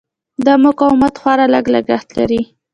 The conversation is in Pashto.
دا مقاومت خورا لږ لګښت لري.